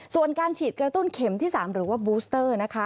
ส่วนการฉีดกระตุ้นเข็มที่๓หรือว่าบูสเตอร์นะคะ